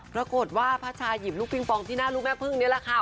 ปรากฏว่าพระชายหยิบลูกปิงปองที่หน้าลูกแม่พึ่งนี่แหละค่ะ